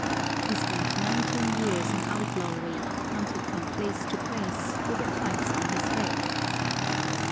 He spent nineteen years in outlawry, hunted from place to place, with a price on his head.